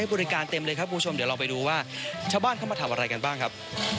บริการเต็มเลยครับคุณผู้ชมเดี๋ยวเราไปดูว่าชาวบ้านเข้ามาทำอะไรกันบ้างครับ